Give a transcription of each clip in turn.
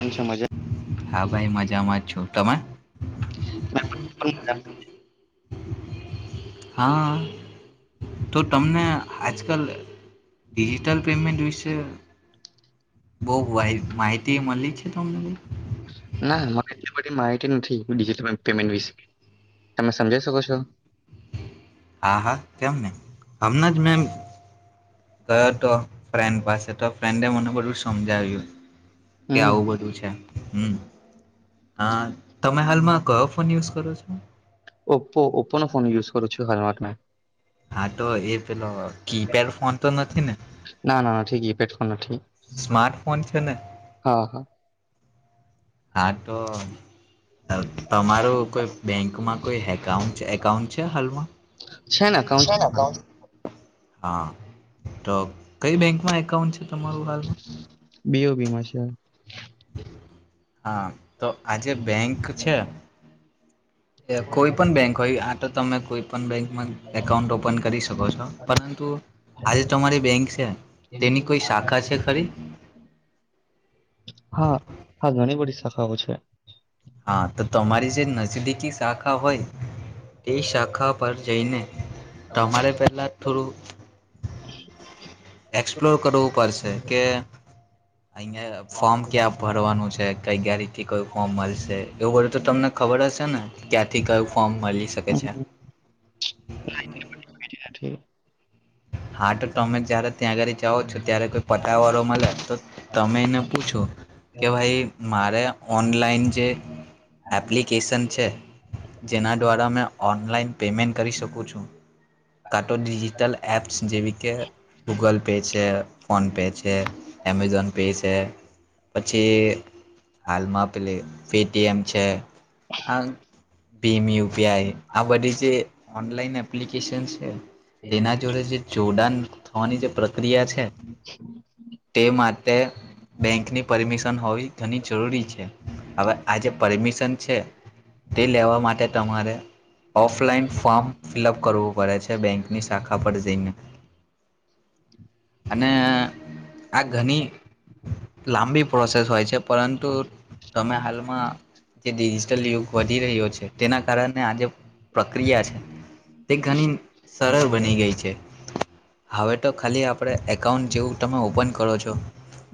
કેમ છો મજા [inaudible] હા ભાઈ મજામાં જ છો તમે [inaudible] મેં પણ- પણ- હા તો તમને આજકાલ ડિજિટલ પેમેન્ટ વિશે બહુ માહિતી મળી છે તમને બાઈ ના માી બધી માહિતી નથીલ પેમેન્ટ વિશે તમે સમજ શકો છો હા હા કેમને હમને જ મેમ ગયો તો ફ્રેન્ડ પાસે તો ફે મનો પડવું સમજાવ હોયું કે હમ આવું બધું છે હમ હ તમે હાલમાં કહો પણ યુઝ કર છું ઓપો ઓપો ફોન યુઝ કર છું હાલમાંતમાં હા તો એ પેલો કીપેડ ફોન તો નથી ને ના ના [inaudible] સ્માર્ટફોન છે ને હા હા હા તો તમારું કોઈ બેંકમાં કોઈ હે એકઉ એકાઉન્ટ છે છે ને અકાઉન્ટ છે ને મારું હાલમાંઉ હા તો કઈ બેંકમાં કોણ છે તમારું હાલ બીઓબીમાં છે હા તો આજે બેંક છે [inaudible] કોઈ પણ બેંક હોય આ તમે કોઈ પણણ બેંક એકઉન્ટ ઓપન કરી શકો છો પરંતુ આજે તમારી બેંક છે તેની કોઈ શાખા છે ખરી ખાવું છે હા તો તમારી જે નજદીકી શાખા હોય એ શાખા પર જઈને તમારે પેલા થોડું [inaudible] એક્સપ્લોર કરવું પડશે કે અહિયાં ફોર્મ ક્યાં ભરવાનું છે કઈ ગયાારીથી કોઈ ફોર્મ મળશે એવું બધું તો તમને ખબર હશે ને ક્યાંથી કયું ફોર્મ મળી શકે છે [inaudible] [inaudible] હાટ ટોમેટ જ્યારે ત્યાં આગળ જાઓ છો ત્યારે કોઈ પટવાળો મળે તો તમે એને પૂછો કે ભાઈ મારે ઓનલાઈન જે એપ્લિકેશન છે જેના દ્વારા મેં ઓનલાઈન પેમેન્ટ કરી શકોું છું કાં તોો ડિજિટલ એપ્સ જેવી કે ગૂગલ પે છે ફોનપે છે છે એમેઝોન પે છે છે પછી હાલમાં પેટીએમ છે ભીમ યુપીઆઈ આ બધી જે ઓનલાઈન એપ્લિક કિસન્સ [inaudible] તેના જોડે જે જોડાણ થવાની જે પ્રક્રિયા છે તે માટે બેંકની પરમિશન હોવી ઘણી જરૂરી છે હવે આ જે પરમિશન છે તે લેવા માટે તમારે ઓફલાઈન ફોર્મ ફિલઅપ કરવું પડે છે બેંકની શાખા પર જઈને [inaudible] અનેને આ ઘણી લાંબી પ્રોસેસ હોય છે પરંતુ તમે હાલમાં જે ડિજિટલ યુગ વધી રહ્યો છે તેના કારણે આ જે પ્રક્રિયા છે તે ઘણી સરળ બની ગઈ પ છે હવે તો ખાલી આપ આપણે એકાઉન્ટ જેવું તમે ઓપન કરો છો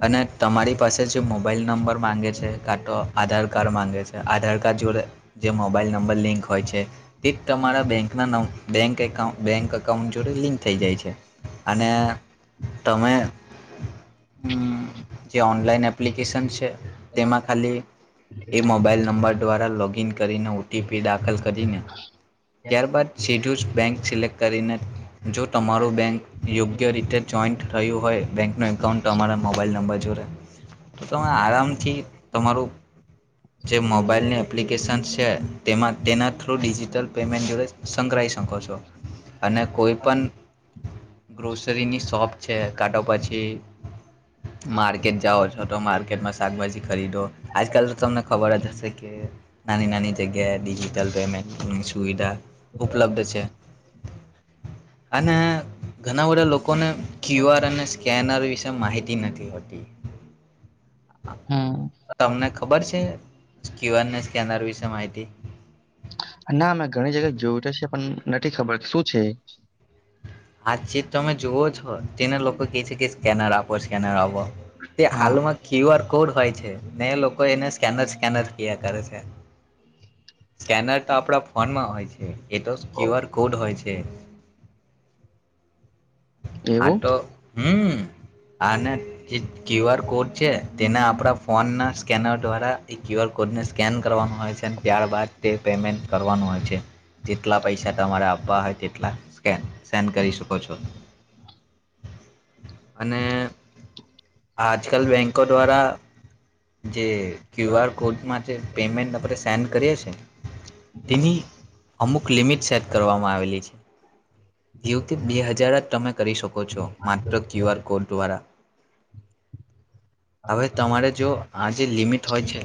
અને તમારી પાસે જે મોબાઈલ નંબર માંગે છે કા તો આધાર કાર્ડ માંગે છે આધાર કાર્ડ જોડે જે મોબાઈલ નંબર લિંક હોય છે. એક તમારા બેંક ના નામ બેંક અકાઉન્ટ બેંક અકાઉન્ટ જોડે લિંક થઈ જાય છે અને તમે જે ઓનલાઈન એપ્લિકેશન છે તેમાં ખાલી એ મોબાઈલ નંબર દ્વારા લોગ ઇન કરીને ઓટીપી દાખલ કરીને ત્યારબાદ સીધું જ બેંક સિલેક્ટ કરીને જો તમારો બેંક યોગ્ય રીતે જોઈન્ટ રહ્યું હોય બેંક ન એકાઉન્ટ તમારા મોબાઈઇલ નંબર જોડે તો તમે આરામથી તમારું જે મોબાઈલની એપ્લિકેશનસ છે. તેમાં તેના થ્રુ ડિજિટલ પેમેન્ટ જોડે સંગ્રળી શકો છો. અને કોઈ પણ ગ્રોસરીની શોપ છે કા તૌ પછી માર્કેટ જાઓ છો તો માર્કેટ કેમાં શાકભજી ખરીદો આજકાલ તો તમને ખબર જ હશે કે નાની નાની જગ્યાએ ડડીજીિટલ પેમેન્ટ સુવિધા ઉપલબ્ધ છે. અને ઘણા બધા લોકોને ક્યુઆર અને સ્કેનર પસા માહિત નથી હોતી. હમ તમને ખબર છે. ક્યુઆર ને સ્કેનર વિશે માહિત [inaudible] ના મેં ઘણી જગ્યા જોયું તો છે પણ નથી ખબર શું છે. આજ ચીત તમે જુવો છો તેને લોકો કે છે કે સ્કેનર આપો સ્કેનર આપો તે હા હાલુમાં ક્યુ આર કોડ હોય છે. એ લોકો એને સ્કેનર સ્કેનર કયા કરે છે. સ્કેનર તો આપડા ફનમાં હોય છે. એટ ક્યુવઆર કોડ છે. હા કેવું તો હમ અને ક્યુઆર કોડ છે તેના આપણા ફોન ના સ્કેનર દ્વારા એ ક્યુ આર કોડ ને સ્કેન કરવાનું હોય. ત્યાર બાદ તે પેમેન્ટ કરવાનું હોય છે. જેટલા પૈસા તમારા આપવા હોય તેટલા સેડ કરી શકો છો. અને આજકાલ બેંકો દ્વારા જે ક્યુ આર કોડમાં જે પેમેન્ટ આપણે સેન કરીએ છ છે તેની અમુક લિમિટ સેટ કરવામાં આવેલી છે જેવ કે બે હજાર તમે કરી શકો છો માત્ર ક્યુ આર કોડ દ્વારા. હવે તમારે જો લિમિટ હોય છે.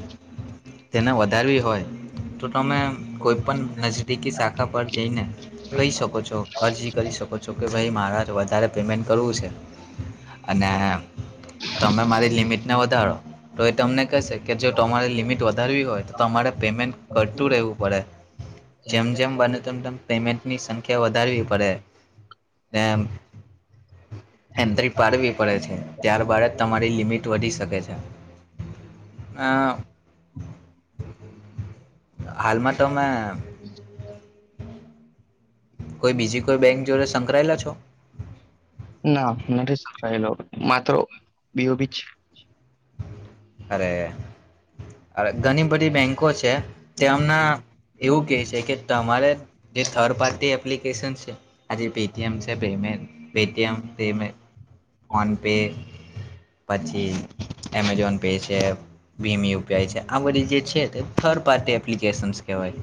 તેને વધારવી હોય તો તમે કોઈપણ નજદીકી શાખા પર જઈને કહી શકો છો અરજી કરી શકો છો. જોકે ભાઈ મારે વધારે પેમેન્ટ કરવું છે અને તમે મારી લિમિટ ને વધારો. તો એ તમને કહેશે કે જો તમારે લિમિટ વધારવી હોય તો તમારે પેમેન્ટ કરતું રહેવું પડે જેમ જેમ બને તેમ તેમ પેમેન્ટની સંખ્યા વધારવી પડે ને એન્ટ્રી પાડવી પડે છે ત્યારબાદ તમારી લિમિટ વઢી શકે છે આ હાલમાં તો મેં કોઈ બીજી કોઈ બેંક જોડે સંકળાયેલા છો. નથીલો માત્ર બીું ઓ બી છે. અરે ઘણી બધી બેંકો છે તેમના એવું કેહે છે કે તમારે જે થર્ડ પાર્ટી એપ્લિકેશન છે આજે પેટીએમ છેમે પેટીએમ પમે ફોન પે પછી એમેજોન પેઝએપ વીમી ઉપાય છે આ બધી જે છે તે થર્ડ પાર્ટી એપ્લિકેશનસ કહેવાય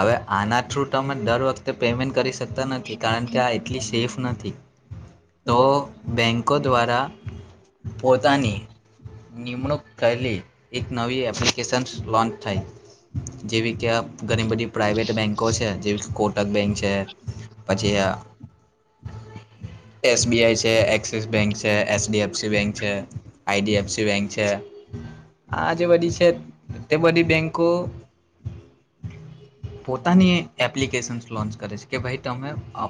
હવે આના થ્રુ તમે દર વખતે પેમેન્ટ કરી શકતા નથી કારણ કે આ એટલી સેફ નથી તો બેન્કો દ્વારા પોતાની નિમણૂક પહેલી એક નવી એપ્લિકેશન લોન્ચ થઈ જેવી કે ઘણી બધી પ્રાઇવેટ બેન્કો છે જેવી કોટક બેંક છે પછી એસબીઆઈ છે એક્સિસ બેંક છે એચડીએફસી બેંક છે આઈડીએફસી શિવં છે આ જે બધી છે તે બધી બેંકો પોતાની એપ્લિકેશનસ લોન્ચ કરે છે કે ભાઈટ તમે અ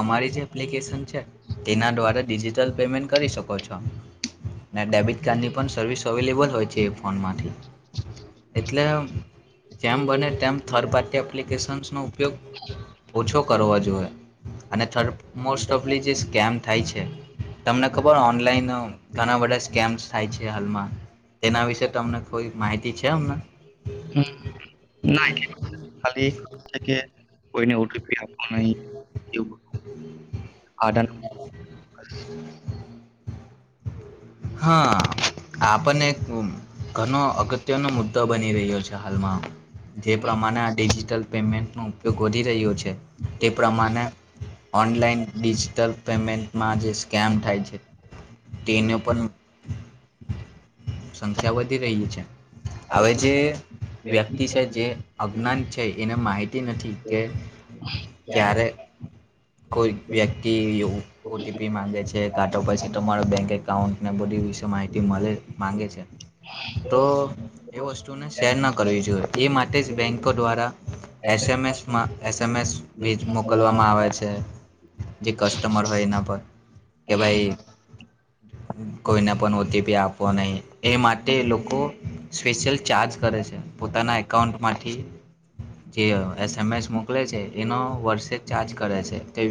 અમારી જે એપ્લિકેશન છે તેના દ્વારા ડિજિટલ પેમેન્ટ કરી શકો છો ડેબિટ કાર્ડની પણ સર્વિસ તો અવેલેબલ હોય છે એ ફોનમાંથી એટલે જેમ બને તેમ થર્ડ પાર્ટી એપ્લિકેશન્સનો ઉપયોગ ઓછો કરવા જોઈએ અને થર્ડ મોસ્ટ ઓફલી જે સ્કેમ થઠઇ છે છે તમને ખબર ઓનલાઈન ઘણા બધા સ્કેમ્સ થાય છે કે હાલમાં તેના વિશે તમને થોડી માહિતી છે અમને હમ. ના [inaudible] [inaudible] આડન હા આપને એક ઘણો અગત્યનો મુદ્દો બની રહ્યો છે હાલમાં જે પ્રમાણે આ ડિજિટલ પેમેન્ટનો ઉપયોગ વધી રહ્યો છે તે પ્રમાણે ઓનલાઈન ડિજિટલ પેમેન્ટમાં જે સ્કેમ થાય છે તેનો પણ સંખ્યા વધી રહી છે હ જે વ્યક્તિ છે જે અજ્ઞાન છે એને માહિત નથી કે ક્યારે કોઈ વ્યક્તિ ઓટીપી માંગે છે કાટો પછી તમા [inaudible] એકાઉન્ટને બધી વિશે માહિતી મળે માગે છે તો એ વસ્તુને શેર ન કરવી જોઈએ એ માટે જ બેન્કો દ્વારા એસએમએસમાં એસએમએસ ભ મોકલવામાં આવે છે જે કસ્ટમર હોય એના પર કે ભાઈ કોઈને પણ ઓટીપી આપો નહી એ માટે એ લોકો સ્પેશિયલ ચાર્જ કરે છે પોતાના એકાઉન્ટમાંથી જે એસ એમ એસ મોકલે છે એનો વર્ષે ચાર્જ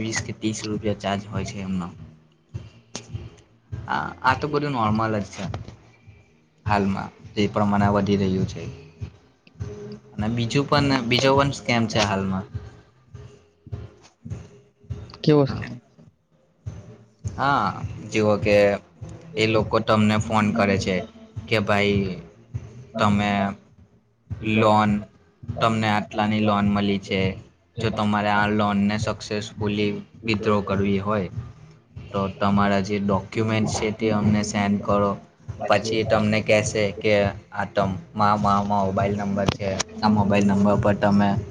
વીીસ કે ત્રીસ રૂપિયા ચાર્જ હોય છે [inaudible] આતો બધું નોર્મલ જ છે. હાલમાં તે. પ્રમાણ વધી રહ્યું છે ને બીજું પન બીજો વંશ કેમ છે હાલમાં? કેવો છે હા. જેવો કે એ લોકો તમને ફોન કરે છે. કે ભાઈ તમે લોન તમને આટલા ની લોન મળી જાય તમારે આ લોન સક્સેસફુલી વીઠડરાવ કરવી હોય તો તમારા જે ડોક્યુમેન્ટ છે તે અમને સેન્ડ કરો પછી એ તમને કહેશે. કે આતો [unintelligible] મોબાઈલ નંબર છે. આ મોબાઈલ નંબર પર તમે [inaudible]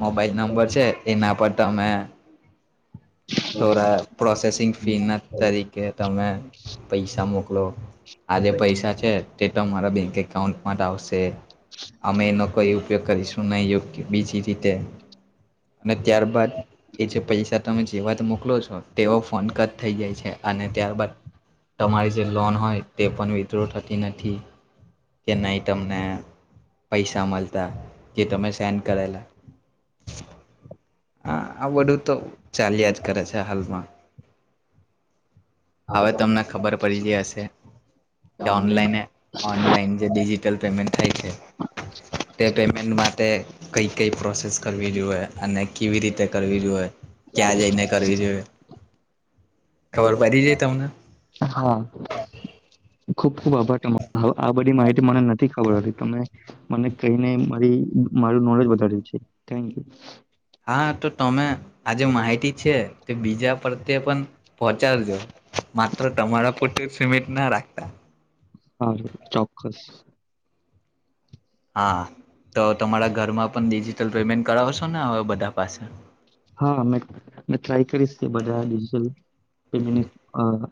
મોબાઈલ નંબર છે એના પર તમે થોડા પ્રોસેસિંગ ફીના તરીકે તમે પૈસા મોકલો. આ જે પૈસા છે તે તમારા બેંક એકાઉન્ટમાં જ આવશે. અમે એનો કયુ ઉપયોગ કરીશું નહીં યોગ્ય બીજી રીતે અને ત્યાર બાાદ એ જે પૈસા તમે એવાજ તો મોકલજ તેઓ ફોન કટ થઈ જાય છે અને ત્યારબાદ તમારી જે લોન હોય તે પણ વિથ્રો થતી નથી. કે નહી તમને પૈસા મલતા જે તમે સેન્ડ કરેલ હ, આ બધું તો ચાલ્યા જ કરે છે હાલમાં. હવે તમને ખબર પડી જ હશે, કે ઓન ઓનલાઈન ડિજિટલ પેમેન્ટ થાય છે તે પેમેન્ટ માટે કઈ કઈ પ્રોસેસ કરવી જોઈએ અને કેવી રીતે કરવી જોએ. ક્યાં જઈને કરવી જોઈએ. ખબર પડી ગઇ તમને હા ખુબ ખુબ આભાર તવે આ બધી માહિતી મને નથી ખબર હતી તમે મને કહીને મારી મારું નોલેજ વધાર્યું છે થકયુ હા તો તમે આજે માહિતી છે તે બીજા પ્ર્યે પણ પહોંચાડજો માત્ર તમારા પોતે સિમેન્ટ ના રાખ [inaudible] હા ચોક્કસ હા તો તમારા ઘરમાં પણ ડિજિટલ પેમેન્ટ કરાવશો ને હવે બધા ત પાાસ હા મે મે ટ્રાય કરીશ કે બધા ડિજટલ પેમેન્ટની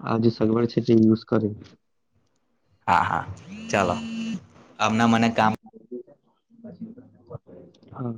આ જે સગવડ છે તે યુઝ કરી હા હા ચાલો હમણા મને કામ ી હા